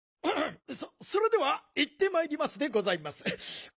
ンンそれではいってまいりますでございます。